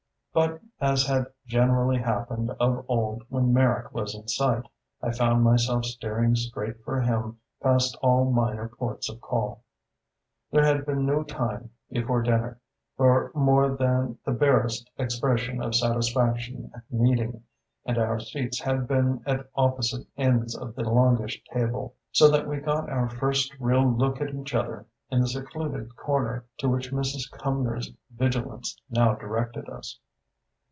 But, as had generally happened of old when Merrick was in sight, I found myself steering straight for him past all minor ports of call. There had been no time, before dinner, for more than the barest expression of satisfaction at meeting, and our seats had been at opposite ends of the longish table, so that we got our first real look at each other in the secluded corner to which Mrs. Cumnor's vigilance now directed us.